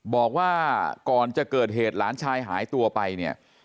บอกว่าก่อนจะเกิดเหตุหลานชายหายตัวไปเนี่ย